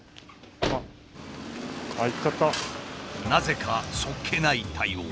なぜかそっけない対応。